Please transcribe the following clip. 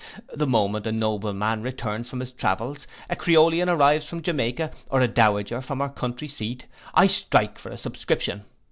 The moment a nobleman returns from his travels, a Creolian arrives from Jamaica, or a dowager from her country seat, I strike for a subscription.